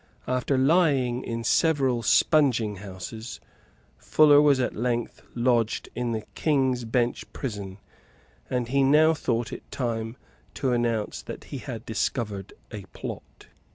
After lying in several spunging houses, Fuller was at length lodged in the King's Bench prison, and he now thought it time to announce that he had discovered a plot.